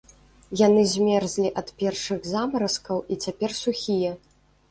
Яны змерзлі ад першых замаразкаў і цяпер сухія.